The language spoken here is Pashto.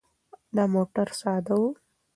دا موټر ساده و.